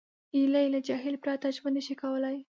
هیلۍ له جهیل پرته ژوند نشي کولی